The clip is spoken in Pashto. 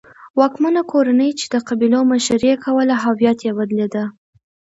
واکمنه کورنۍ چې د قبیلو مشري یې کوله هویت یې بدلېده.